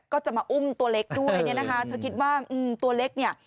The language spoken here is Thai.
ก็จะมาอุ้มตัวเล็กด้วยถ้าคิดว่าตัวเล็ก